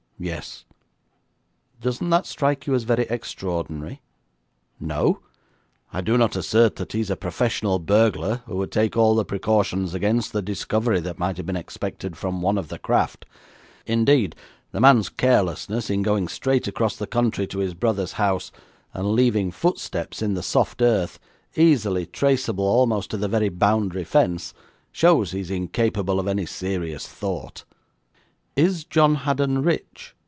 'Yes.' 'Doesn't that strike you as very extraordinary?' 'No. I do not assert that he is a professional burglar, who would take all the precautions against the discovery that might have been expected from one of the craft. Indeed, the man's carelessness in going straight across the country to his brother's house, and leaving footsteps in the soft earth, easily traceable almost to the very boundary fence, shows he is incapable of any serious thought.' 'Is John Haddon rich?'